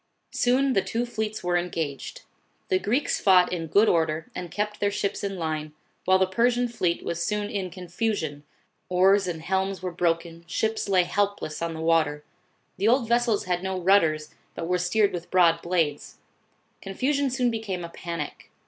Soon the two fleets were engaged. Tho Greeks fought in good order and kept their ships in line, while the Persian fleet was soon in contusion, oars and helms were broken, ships lay helpless on the water. The old vessels had no rudders, but were steered with broad blades. Confusion soon became a panic.